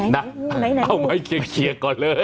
เอาไหมเคียกเคียกก่อนเลย